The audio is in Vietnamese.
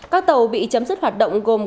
các tàu bị chấm dứt hoạt động gồm